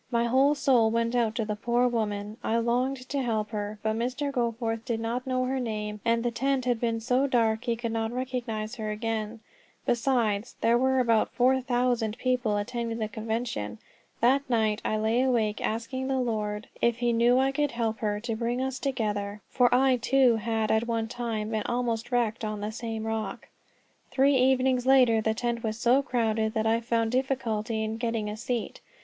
My whole soul went out to the poor woman; I longed to help her. But Mr. Goforth did not know her name, and the tent had been so dark he could not recognize her again; besides, there were about four thousand people attending the convention. That night I lay awake asking the Lord, if he knew I could help her, to bring us together, for I, too, had at one time been almost wrecked on the same rock. Three evenings later the tent was so crowded that I found difficulty in getting a seat.